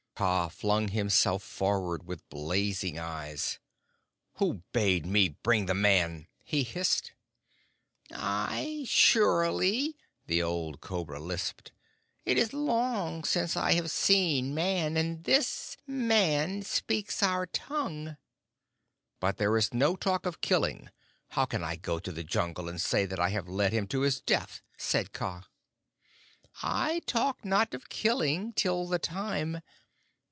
Kaa flung himself forward with blazing eyes. "Who bade me bring the Man?" he hissed. "I surely," the old Cobra lisped. "It is long since I have seen Man, and this Man speaks our tongue." "But there was no talk of killing. How can I go to the Jungle and say that I have led him to his death?" said Kaa. "I talk not of killing till the time.